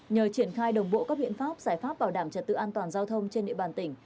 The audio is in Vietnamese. nhờ triển khai đồng bộ các biện pháp giải pháp bảo đảm trật tự an toàn giao thông trên địa bàn tỉnh